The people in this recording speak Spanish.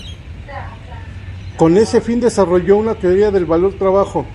Con ese fin desarrolló una teoría del valor-trabajo.